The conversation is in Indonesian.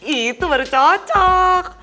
itu baru cocok